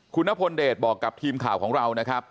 คุณนพลเดชบอกกับทีมข่าวของเรานะครับ